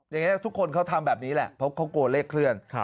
อย่างนี้ทุกคนเขาทำแบบนี้แหละเพราะเขากลัวเลขเคลื่อน